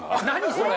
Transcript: それ。